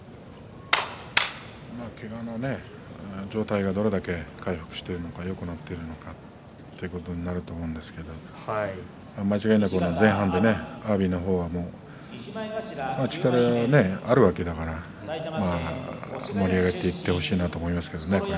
けがの状態がどれだけ回復しているのかよくなっているのかということになると思うんですけど間違いなく前半で阿炎の方は力があるわけだから盛り上がっていってほしいなと思いますね。